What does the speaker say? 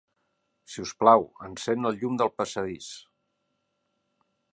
Sisplau, encén el llum del passadís.